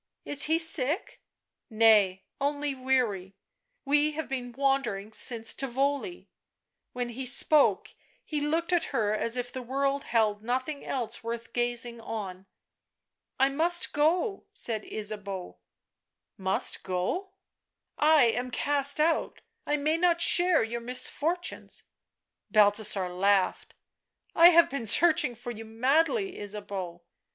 " Is he sick ?"" Nay, only weary; we have been wandering since Tivoli " While he spoke he looked at her, as if the world held nothing else worth gazing on. " I must go," said Ysabeau. " Must go V 9 " I am cast out — I may not share your misfortunes." Balthasar laughed. " I have been searching for you madly, Ysabeau."